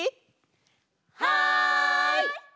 はい！